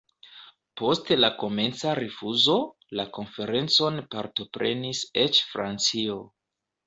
Post la komenca rifuzo, la konferencon partoprenis eĉ Francio.